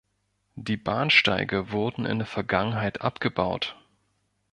Die Bahnsteige wurden in der Vergangenheit abgebaut.